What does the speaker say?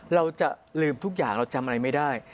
เราจะลืมทุกอย่างเราจำอะไรไม่ได้